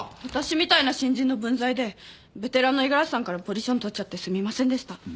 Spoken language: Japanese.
私みたいな新人の分際でベテランの五十嵐さんからポジション取っちゃってすみませんでした。